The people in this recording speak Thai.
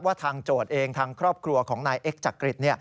ทางโจทย์เองทางครอบครัวของนายเอ็กจักริต